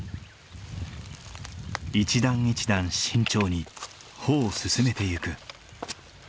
一段一段慎重に歩を進めていく。